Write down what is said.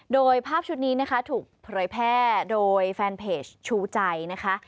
โดยภาพชุดนี้นะคะถูกเผยแพร่โดยแฟนเพจชูใจนะคะ